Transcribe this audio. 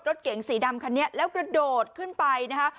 รถเก๋งสีดำคันนี้แล้วกระโดดขึ้นไปนะคะ